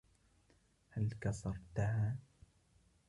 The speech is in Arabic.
هل كسرتها؟